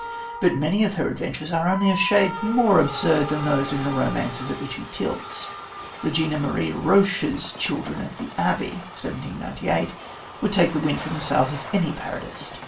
But many of her adventures are only a shade more absurd than those in the romances at which he tilts. Regina Maria Roche's Children of the Abbey (1798) would take the wind from the sails of any parodist.